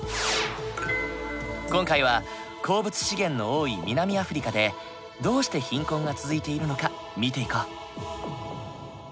今回は鉱物資源の多い南アフリカでどうして貧困が続いているのか見ていこう。